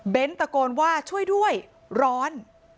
ตะโกนว่าช่วยด้วยร้อน